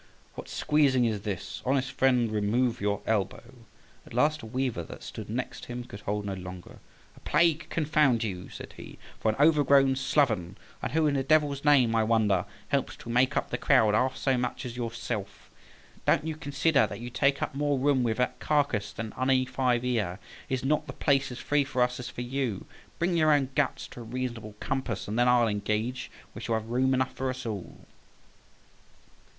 Z—ds, what squeezing is this? Honest friend, remove your elbow." At last a weaver that stood next him could hold no longer. "A plague confound you," said he, "for an overgrown sloven; and who in the devil's name, I wonder, helps to make up the crowd half so much as yourself? Don't you consider that you take up more room with that carcass than any five here? Is not the place as free for us as for you? Bring your own guts to a reasonable compass, and then I'll engage we shall have room enough for us all."